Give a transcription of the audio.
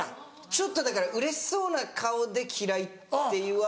ちょっとうれしそうな顔で「嫌い」って言われたら。